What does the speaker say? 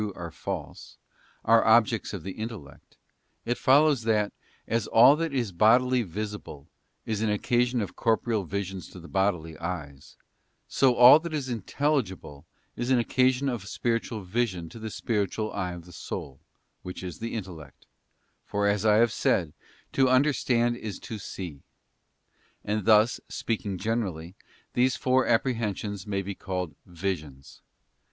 they are true or false, are objects of the intellect, it follows that, as all that is bodily visible is an occasion of corporeal visions to the bodily eyes; so all that is intelligible is an occasion of spiritual vision to the spiritual eye of the soul, which is the intellect ; for, as I have said, to understand is to see. And thus, speaking generally, these four apprehensions may be called visions.